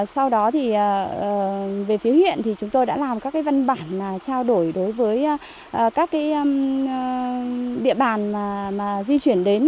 sau đó thì về phía huyện thì chúng tôi đã làm các văn bản trao đổi đối với các địa bàn di chuyển đến